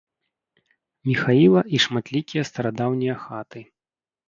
Міхаіла і шматлікія старадаўнія хаты.